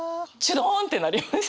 どーんってなりました。